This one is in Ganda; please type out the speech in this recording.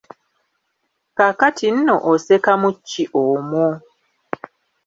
Kaakati no osekamu ki omwo?